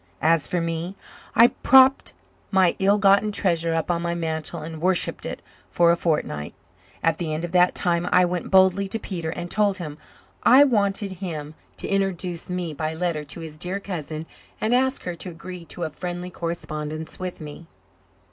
As for me, I propped my ill gotten treasure up on my mantel and worshipped it for a fortnight. At the end of that time I went boldly to Peter and told him I wanted him to introduce me by letter to his dear cousin and ask her to agree to a friendly correspondence with me.